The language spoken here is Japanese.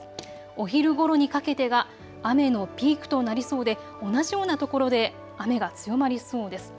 お昼ごろにかけてが雨のピークとなりそうで、同じような所で雨が強まりそうです。